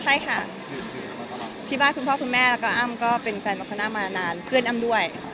ใช่ค่ะที่บ้านคุณพ่อคุณแม่แล้วก็อ้ำก็เป็นแฟนมพนามานานเพื่อนอ้ำด้วย